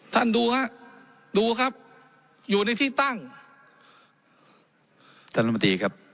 ท่านดูฮะดูครับอยู่ในที่ตั้งท่านรัฐมนตรีครับ